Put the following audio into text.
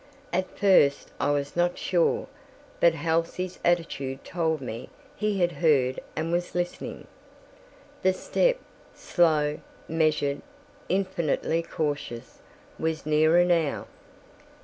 At first I was not sure, but Halsey's attitude told me he had heard and was listening. The step, slow, measured, infinitely cautious, was nearer now.